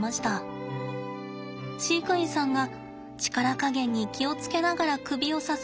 飼育員さんが力加減に気を付けながら首を支えて慎重に与えました。